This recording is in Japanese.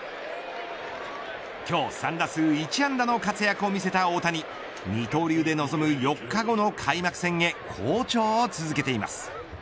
今日３打数１安打の活躍を見せた大谷二刀流で臨む４日後の開幕戦へ好調を続けています。